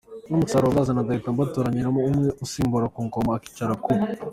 n'umusaruro muzazana nzahita mbatoranyamo umwe uzansimbura ku ngoma akicara ku.